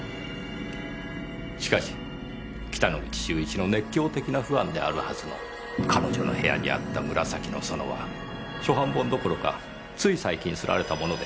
しかし北之口秀一の熱狂的なファンであるはずの彼女の部屋にあった『紫の園』は初版本どころかつい最近刷られたものでした。